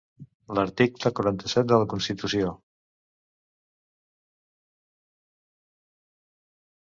l'article quaranta-set de la Constituci